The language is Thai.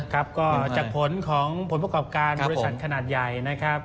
ครับก็จากผลของผลประกอบการบริษัทขนาดใหญ่นะครับ